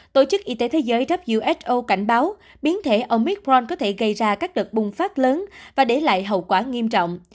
tổ chức y tế thế giới cảnh báo biến thể omicron có thể gây ra các đợt bùng phát lớn và để lại hậu quả nghiêm trọng